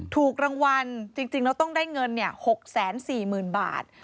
ถูกรางวัลจริงแล้วต้องได้เงิน๖๔๐๐๐บาท